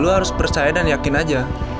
lu harus percaya dan yakin aja